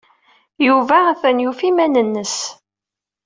Yuba atan yufa iman-nnes.